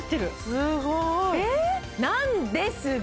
すごいなんですが！